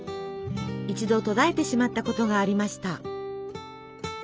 一度途絶えてしまったことがありました。